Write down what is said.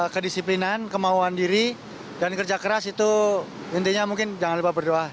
kedisiplinan kemauan diri dan kerja keras itu intinya mungkin jangan lupa berdoa